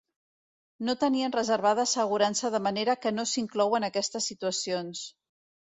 No tenien reservada assegurança de manera que no s'inclouen aquestes situacions.